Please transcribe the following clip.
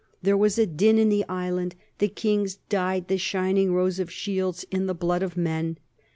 There was a din in the island, the kings dyed the shining rows of shields in the blood of men.